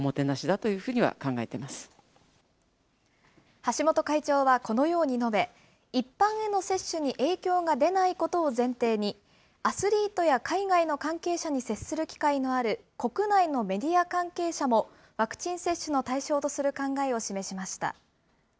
橋本会長はこのように述べ、一般への接種に影響が出ないことを前提に、アスリートや海外の関係者に接する機会のある国内のメディア関係者も、ワクチン接種の対象とする考えを示しました。